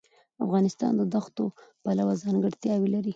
افغانستان د دښتو پلوه ځانګړتیاوې لري.